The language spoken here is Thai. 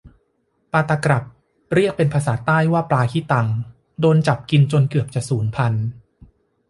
ปลาตะกรับ เรียกเป็นภาษาใต้ว่าปลาขี้ตัง โดนจับกินจนเกือบสูญพันธุ์